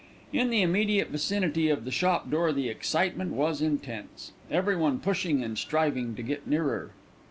In the immediate vicinity of the shop door the excitement was intense, everyone pushing and striving to get nearer.